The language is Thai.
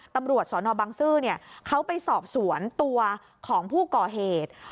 ตำรวจสนบังซื้อเขาไปสอบสวนตัวของผู้ก่อเหตุ